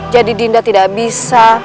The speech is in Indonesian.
jadi dinda tidak bisa